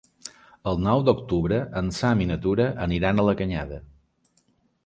El nou d'octubre en Sam i na Tura aniran a la Canyada.